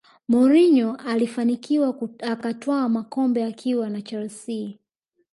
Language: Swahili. Mourinho akafanikiwa akatwaa makombe akiwa na chelsea